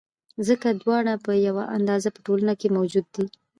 ځکه دواړه په یوه اندازه په ټولنه کې موجود دي.